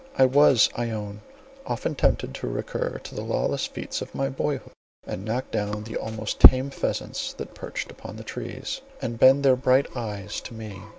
I was, I own, often tempted to recur to the lawless feats of my boy hood, and knock down the almost tame pheasants that perched upon the trees, and bent their bright eyes on me.